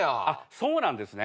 そうなんですね。